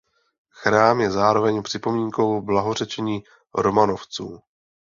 Chrám je zároveň připomínkou blahořečení Romanovců.